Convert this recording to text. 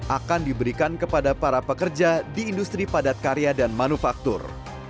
akan diberikan kepada para pekerja di industri padat karya dan manufaktur